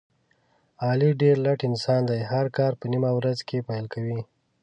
علي ډېر لټ انسان دی، هر کار په نیمه ورځ کې پیل کوي.